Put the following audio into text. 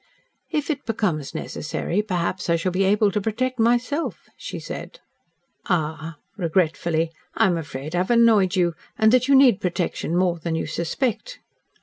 "If it becomes necessary, perhaps I shall be able to protect myself," she said. "Ah!" regretfully, "I am afraid I have annoyed you and that you need protection more than you suspect."